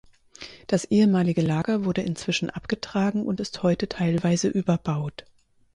Das ehemalige Lager wurde inzwischen abgetragen und ist heute teilweise überbaut.